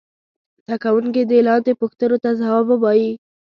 زده کوونکي دې لاندې پوښتنو ته ځواب ووايي.